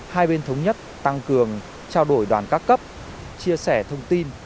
hai bên thống nhất tăng cường trao đổi đoàn các cấp chia sẻ thông tin